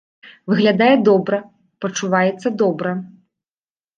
Выглядае добра, пачуваецца добра.